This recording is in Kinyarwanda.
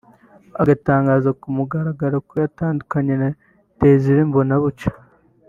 agatangaza ku mugaragaro ko yatandukanye na Desire Mbonabucya